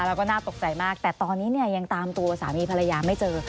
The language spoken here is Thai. แล้วก็น่าตกใจมากแต่ตอนนี้เนี่ยยังตามตัวสามีภรรยาไม่เจอ